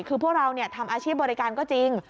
คือพวกเราทำอาชีพบริการก็จริง